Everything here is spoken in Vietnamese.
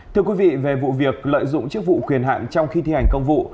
thưa quý vị về vụ việc lợi dụng chức vụ quyền hạn trong khi thi hành công vụ